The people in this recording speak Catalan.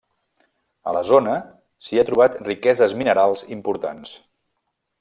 A la zona s'hi ha trobat riqueses minerals importants.